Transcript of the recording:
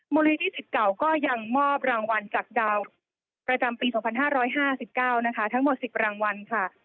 มลินที่๑๙ก็ยังมอบรางวัลจากดาวน์ประจำปี๒๕๕๙ทั้งหมด๑๐รางวัล